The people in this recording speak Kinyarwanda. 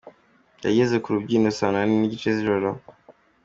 Yageze ku rubyiniro saa munani n’igice z’ijoro.